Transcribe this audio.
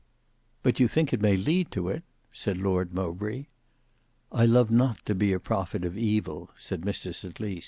"But you think it may lead to it?" said Lord Mowbray. "I love not to be a prophet of evil," said Mr St Lys.